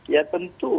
ya tentu ya